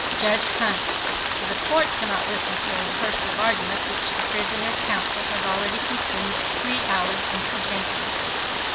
JUDGE HUNT—The Court cannot. listen to a rehearsal of argument which the prisoner's counsel has already consumed three hours in presenting.